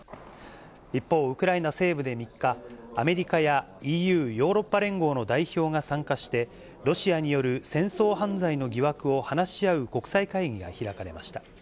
一方、ウクライナ西部で３日、アメリカやＥＵ・ヨーロッパ連合の代表が参加して、ロシアによる戦争犯罪の疑惑を話し合う国際会議が開かれました。